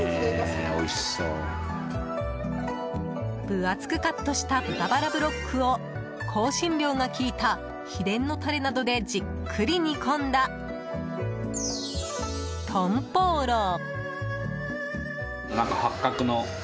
分厚くカットした豚バラブロックを香辛料が利いた秘伝のタレなどでじっくり煮込んだトンポウロウ。